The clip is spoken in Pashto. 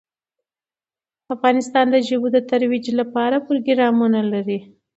افغانستان د ژبو د ترویج لپاره پروګرامونه لري.